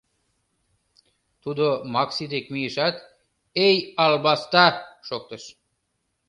Тудо Макси дек мийышат, «эй, албаста!» шоктыш.